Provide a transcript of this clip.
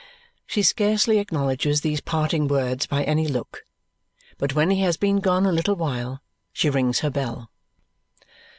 She scarcely acknowledges these parting words by any look, but when he has been gone a little while, she rings her bell.